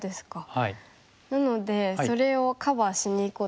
はい。